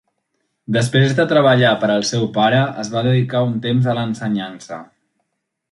Després de treballar per al seu pare, es va dedicar un temps a l'ensenyança.